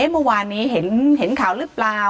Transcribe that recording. เมื่อวานนี้เห็นข่าวหรือเปล่า